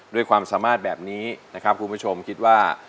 ด้วยความสามารถแบบนี้นะครับคุณผู้ชมคิดว่า